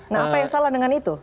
nah apa yang salah dengan itu